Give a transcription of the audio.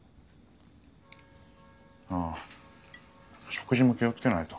ああ食事も気をつけないと。